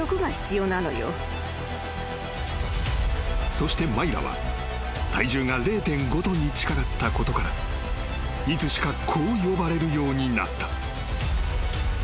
［そしてマイラは体重が０．５ｔに近かったことからいつしかこう呼ばれるようになった］